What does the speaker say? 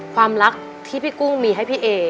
ความรักที่พี่กุ้งมีให้พี่เอ